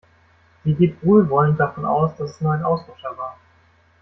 Sie geht wohlwollend davon aus, dass es nur ein Ausrutscher war.